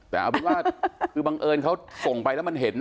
แต่เอาเป็นว่าคือบังเอิญเขาส่งไปแล้วมันเห็นนะ